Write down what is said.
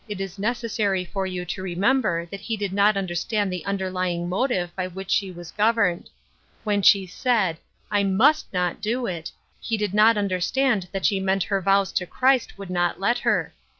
is necessary for you to remember that he did not understand the underlying motive by which she was governed. When she said, " I must not do it," he did not understand that she meant her vows to Christ would not let her.